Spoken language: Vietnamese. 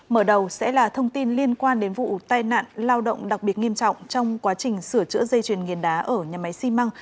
mở đầu sẽ là thông tin liên quan đến vụ tai nạn lao động đặc biệt nghiêm trọng trong quá trình sửa chữa dây chuyền nghiền đá ở nhà máy xi măng